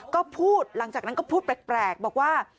ก็พูดหลังจากนั้นก็พูดแปลกบอกว่า